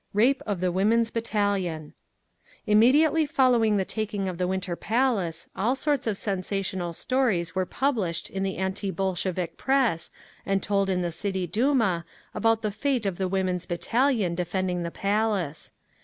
RAPE OF THE WOMEN'S BATTALION Immediately following the taking of the Winter Palace all sorts of sensational stories were published in the anti Bolshevik press, and told in the City Duma, about the fate of the Women's Battalion defending the Palace.